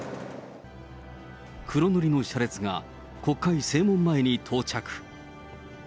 黒塗りの車列が、国会正門前に到着。